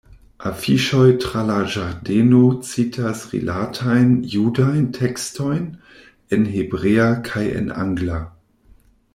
Afiŝoj tra la ĝardeno citas rilatajn judajn tekstojn en hebrea kaj en angla.